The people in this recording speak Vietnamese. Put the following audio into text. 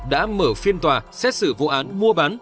đã mở phiên tòa xét xử vụ án mua bán